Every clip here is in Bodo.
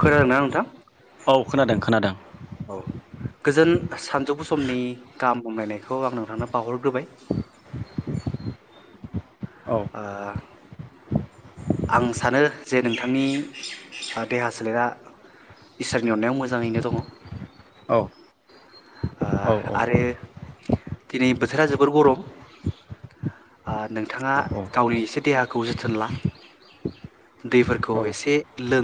खोनादों ना नोंथां? औ खोनादों खोनादों। औ गोजोन सानजौफु समनि गाहाम। बुंलायनायखौ आं नोंथांनो बावहरग्रोबाय। औ ओ। आं सानो जे नोंथांनि देहा सोलेरा इसोरनि अननायाव मोजाङैनो दङ। औ। आरो दिनै बोथोरा जोबोर गरम नोंथाङा गावनि एसे देहाखौ जोथोन ला दैफोरखौ एसे लों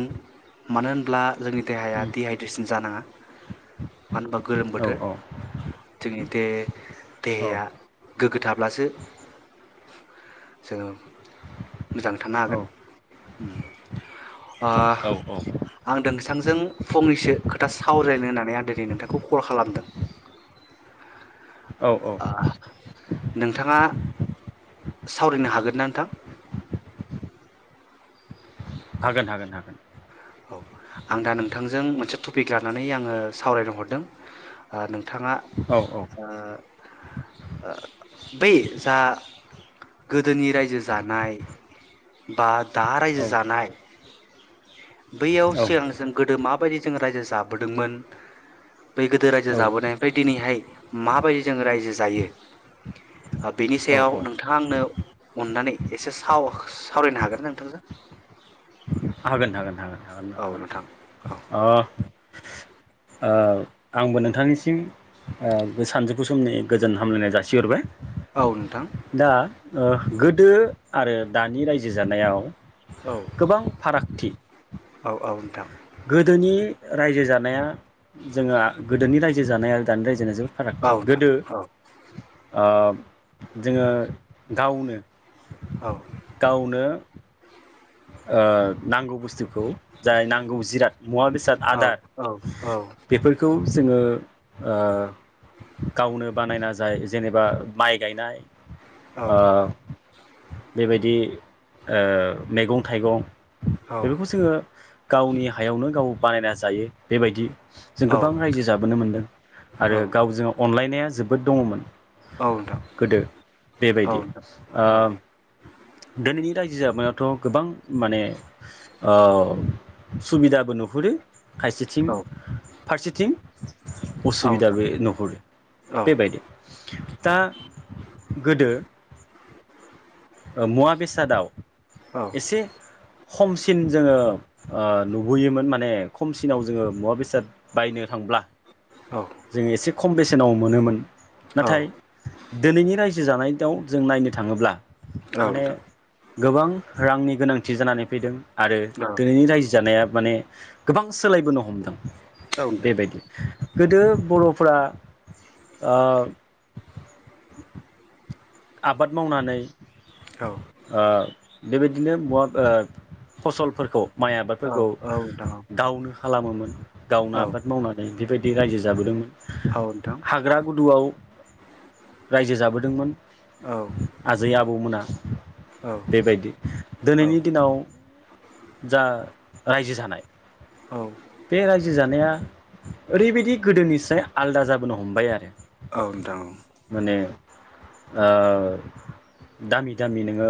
मानो होनब्ला जोंनि देहाया दिहाइद्रेसन जानाङा मानो होनबा गलोम बोथोर जोंनि देहाया गोग्गो थाब्लासो जोङो मोजाङै थानो हागोन औ आं नोंथांजों फंनैसो खोथा सावरायनो होननानै आं दिनै नोंथांखौ कल खालामदों। औ औ नोंथाङा सावरायनो हागोन ना नोंथां? हागोन हागोन हागोन। औ आं दा नोंथांजों मोनसे टपिक लानानै आङो सावरायनो हरदों। बिथाङा औ औ बै जा गोदोनि रायजो जानाय बा दा रायजो औ जानाय। बैयाव सिगांसि गोदो माबायदि जोङो रायजो जाबोदोंमोन बै गोदो रायजो जाबोनायनिफ्राय दिनैहाय माबायदि जोङो रायजो जायो बेनि औ सायाव नोंथाङा आंनो अननानै एसे साव सावरायनो हागो ना नोंथांजों हागोन हागोन हागोन हागोन औ हागोन औ नोंथां। आंबो नोंथांनिसिम सानजौफु समनि गोजोन हामलायनाय जासिहरबाय। औ नोंथां दा गोदो आरो दानि रायजो जानायाव औ गोबां फारागथि औ औ नोंथां। गोदोनि रायजो जानाया जोङो गोदोनि रायजो जानाय आरो दानि रायजोनि जोबो औ फारागथि नोंथां गोदो औ ओ जोङो गावनो औ गावनो ओ नांगौ बुस्थुखौ जाय नांगौ जिराद मुवा बेसाद औ आदार बेफोरखौ जोङो ओ गावनो बानायना जाय जेनेबा माइ गायनाय औ ओ बेबायदि ओ मेगं थाइगं औ बेफोरखौ जोङो गावनि हायावनो गाव बानायना जायो बेबायदि। जों औ गोबां रायजो नोंथां जाबोनो मोन्दों औ आरो गावजों अनलायनाया जोबोद दङमोन। नोंथां गोदो औ बेबायदि ओ नोंथां औ दोनैनि रायजो जामा थ' गोबां माने ओ सुबिदाबो नुहुरो। औ खायसेथिं फारसेथिं औ नोंथां उसुबिदाबो नुहुरो औ बेबायदि दा गोदो ओ मुवा बेसादाव औ एसे खमसिन जोङो ओ नुबोयोमोन माने खमसिनाव जोङो मुवा बेसाद बायनो थांब्ला औ नोंथां औ नोंथां औ नोंथां औ नोंथां औ नोंथां औ नोंथां औ नोंथां जों एसे खम बेसे सेनाव मोनोमोन। औ दोनैनि रायजो जानाय दाव जों नायनो थाङोब्ला औ माने नोंथां। गोबां रांनि गोनांथि जानानै फैदों। आरो दोनैनि रायजो जानाया माने गोबां सोलायबोनो हमदों। बे बायदि गोदो बर'फोरा ओ आबाद मावनानै ओ बेबायदिनो मुवा फसलफोरखौ माइ आबादफोरखौ गावनो खालामोमोन गावनो आबाद मावनानै बे बायदि बि रायजो जाबोदोंमोन। हाग्रा गुदुआव रायजो जाबोदोंमोन आजै आबौमोना [unintelligible] बेबायदि दिनैनि दिनाव जा रायजो जानाय बे रायजो जानाया ओरैबायदि गोदोनिफ्राय आलदा जाबोनो हमबाय आरो। औ नोंथां। माने दामि दामि नोङो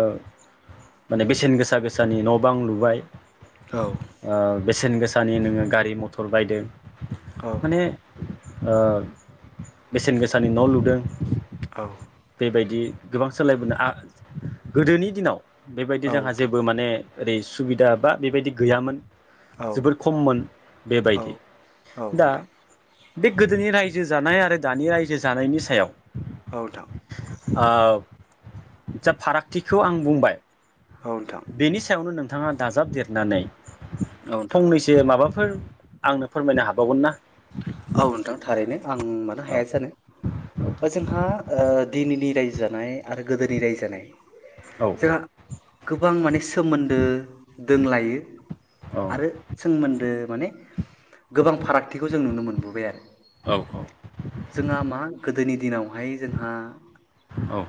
माने बेसेन गोसा गोसानि न' बां लुबाय। औ। ओ बेसेन गोसानि नोङो गारि मथर बायदों। माने बेसेन गोसानि न' लुदों। औ। बेबायदि गोबां सोलायबोनो गोदोनि दिनाव बेबायदि जोंहा जेबो माने ओरै सुबिदा बा बेबायदि गैयामोन। जोबोर खममोन बेबायदि नोंथां दा बे गोदोनि रायजो जो जानाय आरो दानि रायजो जानायनि सायाव औ नोंथां। ओ जा फारागथिखौ आं बुंबाय। औ नोंथां बेनि सायावनो नों बिथाङा दाजाबदेरनानै औ नोंथां फंनैसो माबाफोर आंनो फोरमायनो हाबावगोन ना? औ नोंथां थारैनो। आं मानो हाया जानो ओ जोंहा ओ दिनैनि रायजो जानाय आरो गोदोनि राययो जानाय औ जोंहा गोबां माने सोमोन्दो दोंलायो आरो सोमोन्दो। माने गोबां फाराग थिखौ जों नुनो मोनबोबाय आरो औ जोंङा मा गोदोनि दिनावहाय जोंहा औ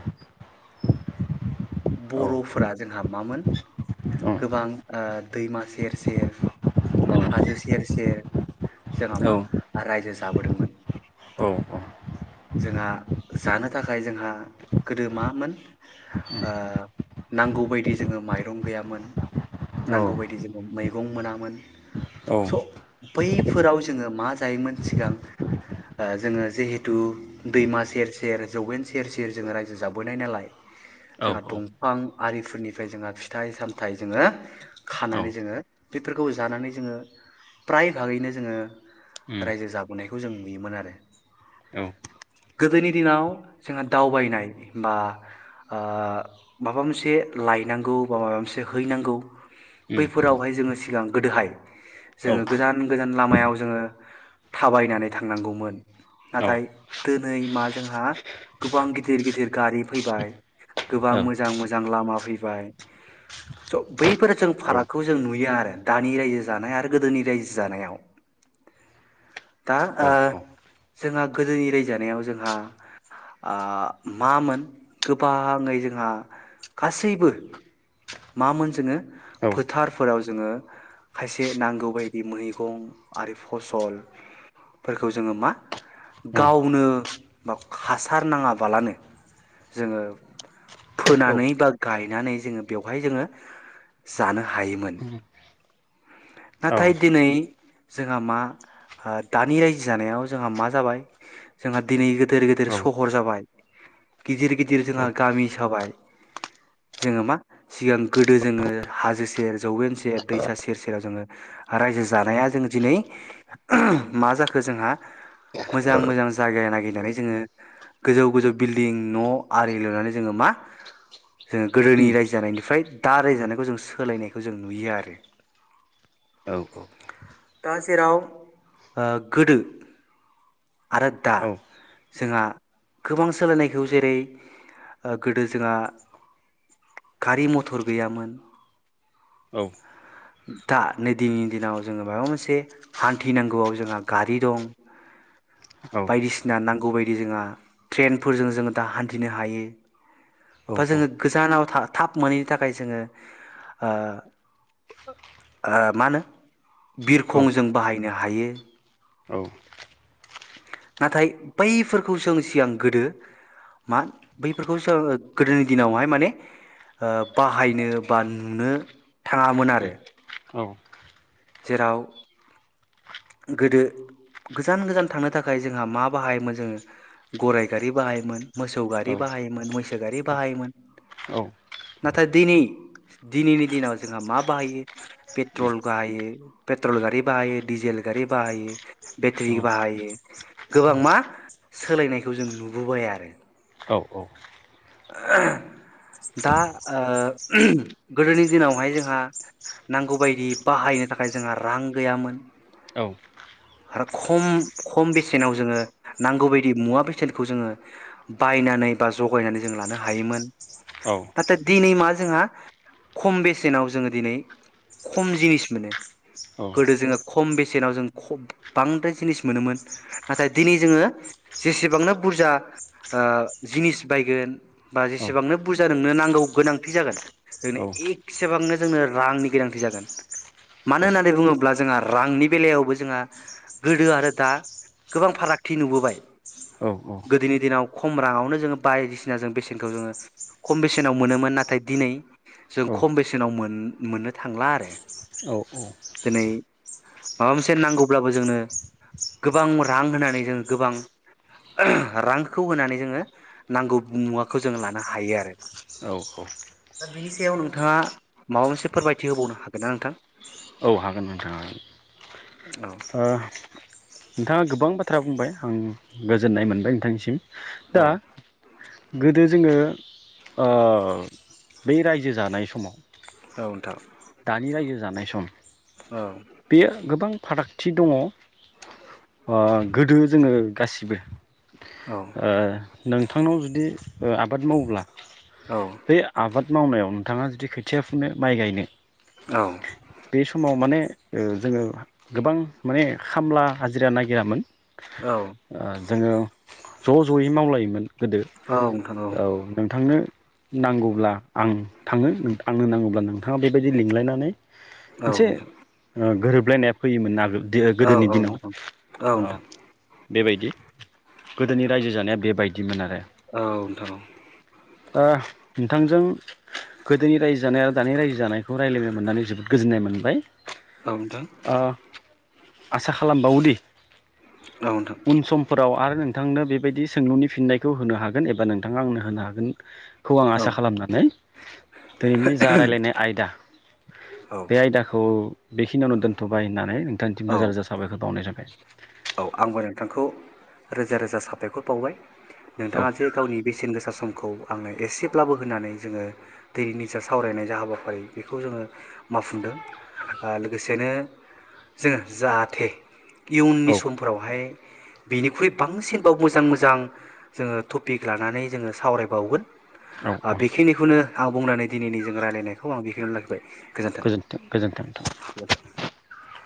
औ बर'फोरा जोंहा मामोन औ गोबां ओ दैमा सेर सेर हाजो सेर सेर जोङा मा रायजो जाबोदोंमोन। औ जोंहा जानो थाखाय जोंहा गोदो मामोन ओ नांगौबायदि जोङो माइरं गैयामोन। नांगौ बायदि जोङो मै गं मोनामोन। स' औ बैफोराव जोङो मा जायोमोन सिगां ओ जोङो। जिहे थु दैमा सेर सेर जौवेन सेर सेरोङो रायजो जाबोनाय नालाय। जोंहा दंफां आरिफोरनिफ्राय जोंहा फिथाइ सामथाइ जोङो। खानानै जोङो। बेफोरखौ जानानै जोङो फ्राय भागैनो जोङो रायजो जाबोनाय। खौ जों नुयोमोन आरो। औ गोदोनि दिनाव जोंहा दावबायनाय बा ओ माबा मोनसे लायनांगौ बा माबा मोनसे हैनांगौ। बैफोरावहाय जोङो सिगां गोदोहाय जोङो गोजान गोजान लामायाव जोङो थाबायनानै थांनांगौमोन। नाथाय दिनै मा जोंहा गोबां गिदिर गिदिर गारि फैबाय। गोबां मोजां मोजां लामा फै बाय स' बैफोर जों फारागखौ जों नुयो आरो। दानि रायजो जानाय आरो गोदोनि रायजो जानायाव। दा आ जोंहा गोदोनि रायजानायाव जोंहा मामोन गोबाङै जोंहा गासैबो मामोन जोङो फोथारफोराव जोङो खायसे नांगौ बायदि मैगं आरो फसलफोरखौ जोङो मा गावनो बा हासार नाङाबालानो जोङो फोनानै बा गाय नानै जोङो बेवहाय जोङो जानो हायोमोन उम नाथाय दिनै जोंहा मा दानि रायजो जानायाव जोंहा मा जाबाय जोंहा दिनै गिदिर गिदिर सहर जाबाय गिदिर गिदिर जोंहा गामि जाबाय जोङो मा सिगां गोदो जोङो हाजो सेर जौवेन सेर दैसा सेर सेराव जोङो रायजो जानाया जों दिनै मा जाखो जोंहा मोजां मोजां जायगा नागिर नानै जोंङो गोजौ गोजौ बिल्डं न' आरि लुनानै जोङो मा जोङो गोदोनि रायजो जानायनिफ्राय दा रायजो जानायखौ जों सोलायनायखौ जों नुयो आरो दा जेराव ओ गोदो आरो दा जोंहा गोबां सोलायनायखौ जेरै गोदो जोंहा गारि मथर गैयामोन दा नै दिनैनि दिनाव जोङो माबा मोनसे हान्थिनांगौआव जोंहा गारि दं बायदिसिना नांगौ बायदि जोंहा ट्रेनफोरजों जोङो दा हान्थिनो हायो बा जोङो गोजानाव थाब मोनैनि थाखाय जोङो ओ ओ मा होनो बिरखंजों बाहायनो हायो। नाथाय बैफोरखौ जों सिगां गोदो मा बैफोरखौ जों गोदोनि दिनावहाय माने ओ बाहायनो बा नुनो थाङामोन आरो। जेराव गोदो गोजान गोजान थांनो थाखाय जोंहा मा बाहायोमोन जोङो गराइ गारि बाहायोमोन मोसौ गारि बाहायोमोन मैसो गारि बाहायोमोन नाथाय दिनै दिनैनि दिनाव जोंहा मा बाहायो पेट्रल बाहायो पेट्रल गारि बाहायो डिजेल गारि बाहायो बेटारि बाहायो गोबां मा सोलायनायखौ जों नुबोबाय आरो। दा ओ गोदोनि दिनावहाय जोंहा नांगौ बादि बाहायनो थाखाय जोंहा रां गैयामोन आरो खम खम बेसेनाव जोङो नांगौ बायदि मुवा बेसेनखौ जोङो बायनानै बा जगायनानै जों लानो हायोमोन नाथाय दिनै मा जोंहा खम बेसेनाव जोङो दिनै खम जिनिस मोनो गोदो जोङो खम बेसेनाव जों खब बांद्राय जिनिस मोनोमोन नाथाय दिनै जोङो जेसेबांनो बुरजा ओ जिनिस बायगोन। बा जेसेबांनो बुरजा नोंनो नांगौ गोनांथि जागोन ओनो एगसेबांनो जोंनो रांनि गोनांथि जागोन मानो होननानै बुङोब्ला जोंहा रांनि बेलायावबो जोंहा गोदो आरो दा गोबां फारागथि नुबोबाय गोदोनि दिनाव खम राङावनो जोंङो बायदिसि ना जों बेसेन खौ जोङो खम बेसेनाव मोनोमोन नाथाय दिनै जों औ खम बेसेनाव मोन-मोननो थांला आरो औ दिनै माबा मोनसे नांगौब्लाबो जोंनो गोबां रां होनानै जों गोबां रांखौ होनानै जोंङो नांगौ मुवाखो जों लानो हायो आरो दा बेनि सायाव नोंथाङा माबा मोनसे फोरमायथि होबावनो हागोन ना नोंथां। औ हागोन नोंथां हागोन । औ। नोंथाङा गोबां बाथ्रा बुंबाय आं गोजोननाय मोनबाय नोंथांनिसिम। दा औ। गोदो जोङो ओ बै रायजो जानाय समाव। औ नोथां। बि रायजो जानाय सम। औ बेयो गोबां। फारागथि दङ ओ गोदो जोङो गासिबो। ओ। नोंथांनाव जुदि ओ आबाद मावोब्ला बे आबाद मावनायाव नोंथांङा जुदि खोथिया फुनो माइ गायनो। औ बे समाव माने ओ जोङो गोबां माने खामला हाजिरा नागिरामोन औ जोंङो ज' ज'यै मावलायोमोन गोदो औ नोंथां औ नोंथांनो नांगौब्ला आं थागोन आंनो नांगौब्ला नोंथाङा बो बेबायदि लिंलायनानै औ मोनसे नोंथां ओ गोरोब [unintelligible] फैयोमोनना आगोल। दि ओ औ गोदोनि औ दिनाव नोंथां औ अह नोंथां बेबायदि गोदोनि रायजो जानाया बेबायदिमोन आरो औ नोंथां औ ओ नोंथांजों गोदोनि रायजो जानाय आरो दानि रायजो जानाय खौ रायलायनो मोननानै जोबोद गोजोननाय मोनबाय। औ नोंथां ओ आसा खालामबावोदि औ नोंथां उन समफोराव आरो नों नोंथांनो बेबायदि सोंलुनि फिननायखौ होनो हागोन एबा नोंथांङा आंनो होनो हागोन खौ आं आसा खालामनानै दोनैनि जा रायलायनाय आयदा औ बे आयदाखौ बेखिनियावनो दोनथ'बाय होननानै नोंथांनिसिम रोजा औ रोजा साबायखर बावनाय थाबाय। औ आंबो नोंथांखौ रोजा रोजा साबायखर बावबाय। औ नोंथाङा जे गावनि बेसेन गोसा समखौ आंनो एसेब्लाबो होनानै जोङो दैनि जा सावरायनाय जा हाबाफारि बेखौ जोङो मावफुंदों ओ लोगोसेनो जोङो जाहाथे औ इयुननि समफोरावहाय बेनिख्रुइ बांसिनबाव मोजां मोजां जोङो टपिक लानानै जोङो सावरायबावगोन। औ ओ औ बेखिनिखौनो आं बुंनानै दिनैनि जों रायलायनायखौ आं बेखिनि आवनो लाखिबाय। गोजोन्थों गोजोनथों गोजोन्थों गोजोन्थों। [unintelligible]